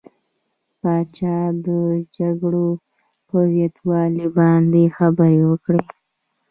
پاچا د جګرې په زيانونو باندې خبرې وکړې .